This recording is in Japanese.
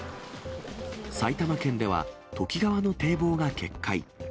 埼玉県では、都幾川の堤防が決壊。